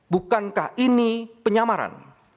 bukankah ini penyamaran